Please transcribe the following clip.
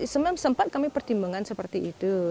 sempat kami pertimbangan seperti itu